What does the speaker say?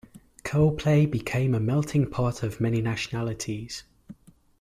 Coplay became a "melting pot" of many nationalities.